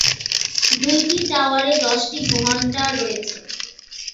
দুইটি টাওয়ারে দশটি ঘণ্টা রয়েছে।